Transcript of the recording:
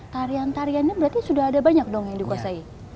tarian tariannya berarti sudah ada banyak dong yang dikuasai